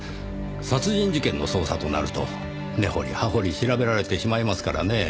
殺人事件の捜査となると根掘り葉掘り調べられてしまいますからねぇ。